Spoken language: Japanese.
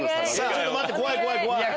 ちょっと待って怖い怖い。